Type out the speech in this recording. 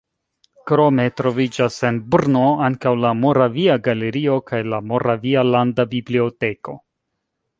Krome troviĝas en Brno ankaŭ la Moravia galerio kaj la Moravia landa biblioteko.